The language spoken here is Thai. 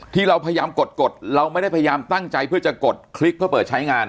ที่เราพยายามกดกดเราไม่ได้พยายามตั้งใจเพื่อจะกดคลิกเพื่อเปิดใช้งาน